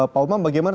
pak umam bagaimana